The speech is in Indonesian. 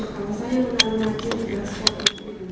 kalau saya menanggung akhir di dalam suatu kemimpinan ini